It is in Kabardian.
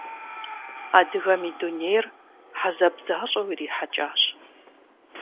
Адыгэм и дунейр хьэзаб защӀэу ирихьэкӀащ.